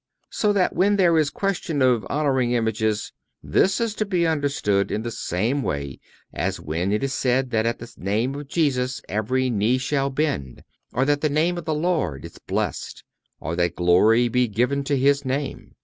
So that when there is question of honoring images, this is to be understood in the same way as when it is said that at the name of Jesus every knee shall bend, or that the name of the Lord is blessed, or that glory be given to His Name.